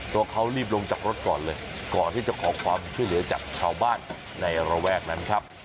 ตัวเขารีบลงจากรถก่อนเลยก่อนที่จะขอความช่วยเหลือจากชาวบ้านในระแวกนั้นครับ